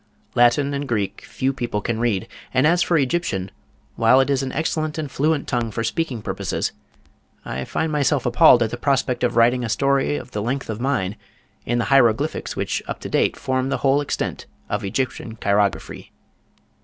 Latin and Greek few people can read, and as for Egyptian, while it is an excellent and fluent tongue for speaking purposes, I find myself appalled at the prospect of writing a story of the length of mine in the hieroglyphics which up to date form the whole extent of Egyptian chirography.